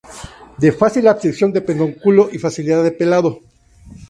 De fácil abscisión de pedúnculo y facilidad de pelado.